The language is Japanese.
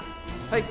はい。